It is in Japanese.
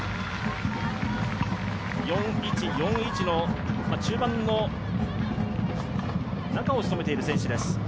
４−１−４−１の中盤の中を務めている選手です